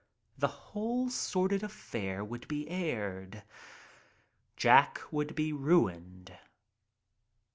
The whole sordid affair would be aired. Jack would be ruined.